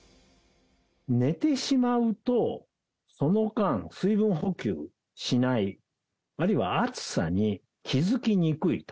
寝てしまうと、その間、水分補給しない、あるいは暑さに気付きにくいと。